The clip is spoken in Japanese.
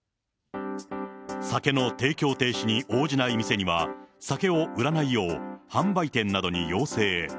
酒の提供停止に応じない店には、酒を売らないよう、販売店などに要請。